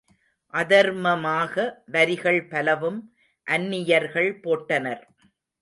அதர்ம மாக வரிகள் பலவும் அந்நி யர்கள் போட்டனர்.